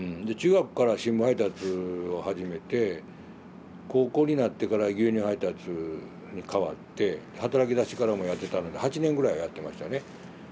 で中学から新聞配達を始めて高校になってから牛乳配達に変わって働きだしてからもやってたので８年ぐらいやってましたね。